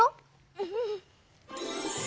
うん！